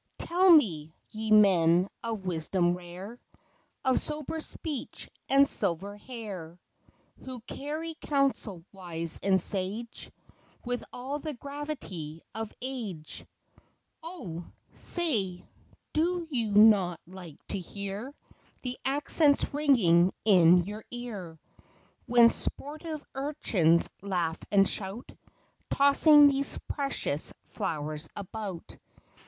Tell me, ye men, of wisdom rare, Of sober speech and silver hair; Who carry counsel wise and sage, With all the gravity of age; Oh ! say, do you not like to hear The accents ringing in your ear, When sportive urchins laugh and shout; Tossing these precious flowers about; BUTTERCUPS AND DAISIES.